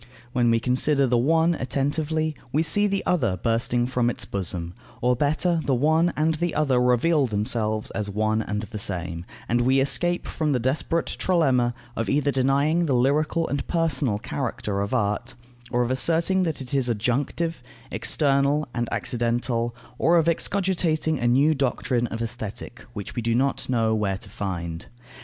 When we consider the one attentively, we see the other bursting from its bosom, or better, the one and the other reveal themselves as one and the same, and we escape from the desperate trilemma, of either denying the lyrical and personal character of art, or of asserting that it is adjunctive, external and accidental, or of excogitating a new doctrine of Aesthetic, which we do not know where to find.